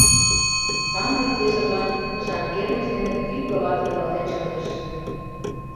Самырык ешыжлан тышан кермыч дене кӱ полатым нӧлтен шындыш.